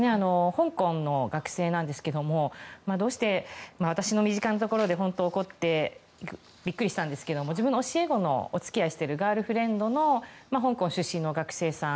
香港の学生ですが私の身近なところで起こってビックリしたんですが教え子のお付き合いしているガールフレンドの香港出身の学生さん。